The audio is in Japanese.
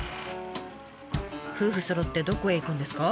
夫婦そろってどこへ行くんですか？